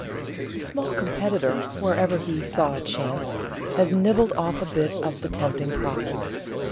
The small competitor, wherever he saw a chance, has nibbled off a bit of the tempting profits.